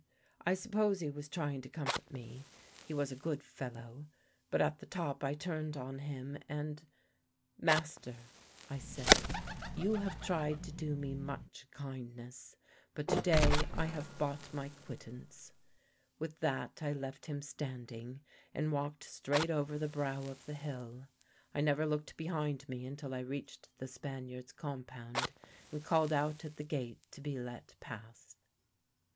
I suppose he was trying to comfort me he was a good fellow; but at the top I turned on him, and 'Master,' I said, 'you have tried to do me much kindness, but to day I have bought my quittance.' With that I left him standing and walked straight over the brow of the hill. I never looked behind me until I reached the Spaniards' compound, and called out at the gate to be let pass.